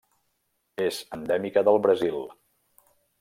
És endèmica del Brasil.